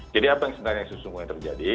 jadi apa yang sebenarnya terjadi